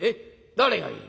誰がいい？」。